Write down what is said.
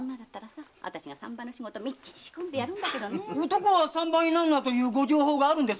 男は産婆になるなというご定法があるんで？